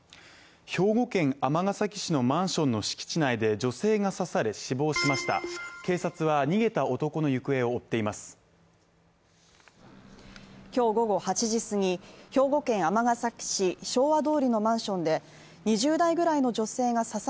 兵庫県尼崎市のマンションの敷地内で女性が刺され死亡しました警察は逃げた男の行方を追っています。